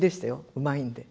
うまいんで。